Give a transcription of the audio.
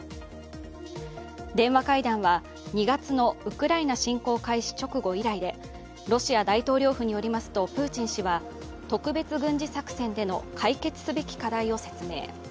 電話会談は、２月のウクライナ侵攻開始直後以来でロシア大統領府によりますと、プーチン氏は特別軍事作戦での解決すべき課題を説明。